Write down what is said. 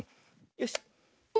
よし。